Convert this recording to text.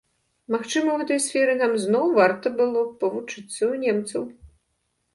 Магчыма, у гэтай сферы нам зноў варта было б павучыцца ў немцаў.